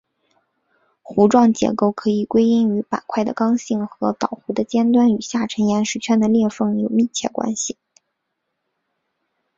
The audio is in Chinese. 弧状结构可以归因于板块的刚性和岛弧的尖端与下沉岩石圈的裂缝有密切关系。